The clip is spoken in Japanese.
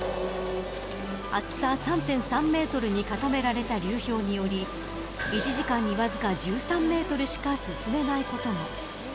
厚さ３．３メートルに固められた流氷により１時間にわずか１３メートルしか進めないことも。